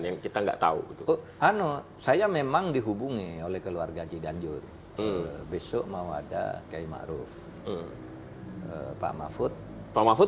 yang kita enggak tahu itu ano saya memang dihubungi oleh keluarga ciganjur besok mau ada kiai ma'ruf